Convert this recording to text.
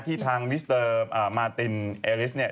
ทางมิสเตอร์มาตินเอลิสเนี่ย